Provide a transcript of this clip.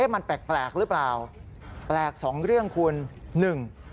มันแปลกแปลกหรือเปล่าแปลกสองเรื่องคุณหนึ่ง